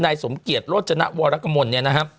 นายสมเกียจโรจนะวรกมลเนี่ยนะฮะ